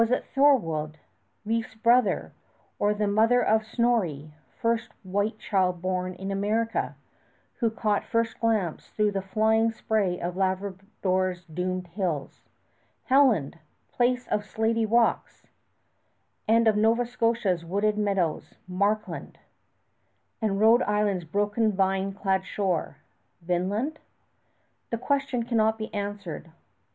Was it Thorwald, Leif's brother, or the mother of Snorri, first white child born in America, who caught first glimpse through the flying spray of Labrador's domed hills, "Helluland, place of slaty rocks"; and of Nova Scotia's wooded meadows, "Markland"; and Rhode Island's broken vine clad shore, "Vinland"? The question cannot be answered.